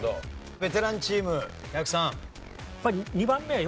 ベテランチームやくさん。